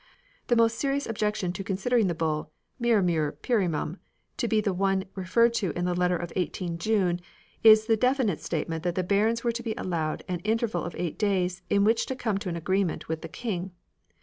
The most serious objection to con sidering the Bull "Miramur plurimum " to be the one referred to in the letter of 18 June is the definite state ment that the barons were to be allowed an interval of eight days in which to come to an agreement with the King.